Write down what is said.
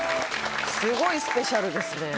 すごいスペシャルですね